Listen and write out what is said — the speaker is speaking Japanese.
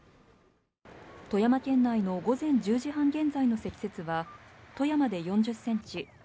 富山県内の午前１０時半現在の積雪は富山で４０センチ